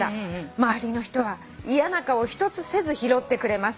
「周りの人は嫌な顔一つせず拾ってくれます」